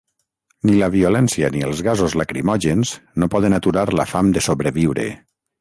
Ni la violència ni els gasos lacrimògens no poden aturar la fam de sobreviure.